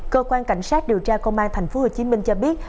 cơ quan cảnh sát điều tra công an thành phố hồ chí minh cho biết